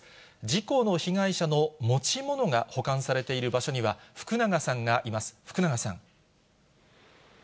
事故の被害者の持ち物が保管されている場所には福永さんがいます。